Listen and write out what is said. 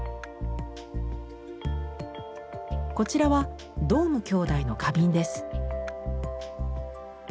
こちらはドーム兄弟の花瓶です。